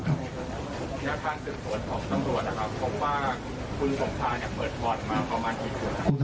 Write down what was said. พิจารณาทางถึงสวนของสมรวจนะครับเพราะว่าคุณสมชายเนี่ยเปิดพอร์ตมาประมาณ๑๐ตัว